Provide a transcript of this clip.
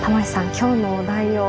今日のお題を。